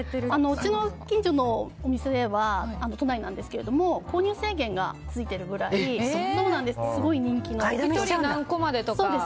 うちの近所のお店では都内なんですけど購入制限がついてるぐらい１人何個までとか。